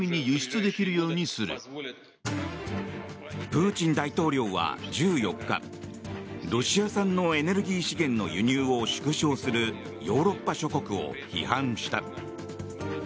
プーチン大統領は１４日ロシア産のエネルギー資源の輸入を縮小するヨーロッパ諸国を批判した。